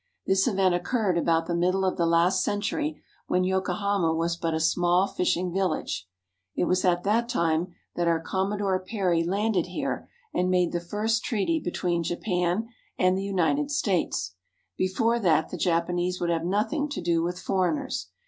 This event occurred about the middle of the last century, when Yokohama was but a small fishing village. It was at that time that our Com modore Perry landed here and made the first treaty be tween Japan and the United States. Before that the Japanese would have nothing to do with foreigners.